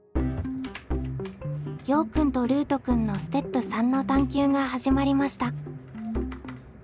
ようくんとルートくんのステップ３の探究が始まりました。